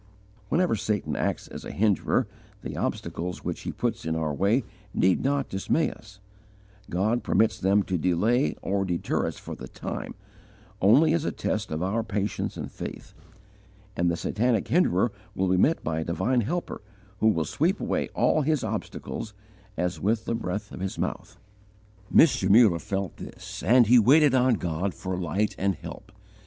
Whenever Satan acts as a hinderer (1 Thess. ii. 18) the obstacles which he puts in our way need not dismay us; God permits them to delay or deter us for the time, only as a test of our patience and faith, and the satanic hinderer will be met by a divine Helper who will sweep away all his obstacles, as with the breath of His mouth. Mr. Muller felt this, and he waited on God for light and help.